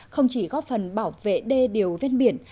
không chỉ góp phần bảo vệ đê điều ven biển